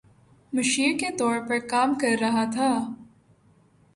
مشیر کے طور پر کام کر رہا تھا